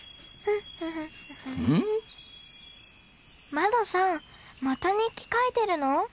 まどさんまた日記書いてるの？